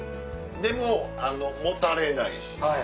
でももたれないし。